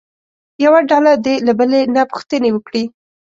یوه ډله دې له بلې نه پوښتنې وکړي.